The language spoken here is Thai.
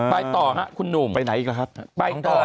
ไปต่อครับคุณหนุ่มไปต่ออะไรอะ